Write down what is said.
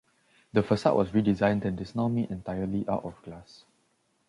The facade was redesigned and is now made entirely out of glass.